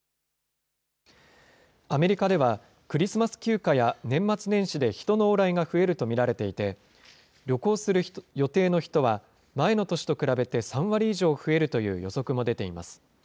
アメリカでは、クリスマス休暇や年末年始で人の往来が増えると見られていて、旅行する予定の人は、前の年と比べて３割以上増えるという予測も出ています。